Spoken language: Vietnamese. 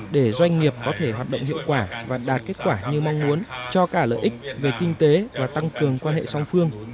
để doanh nghiệp có thể hoạt động hiệu quả và đạt kết quả như mong muốn cho cả lợi ích về kinh tế và tăng cường quan hệ song phương